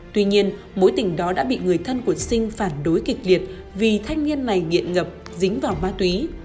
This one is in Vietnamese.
tuy nhiên mối tình đó đã bị người thân của sinh phản đối kịch liệt vì thanh niên này nghiện ngập dính vào ma túy